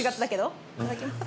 いただきます。